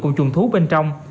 cùng chuồng thú bên trong